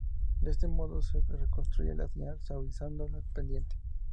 De este modo se reconstruye la señal suavizando la pendiente.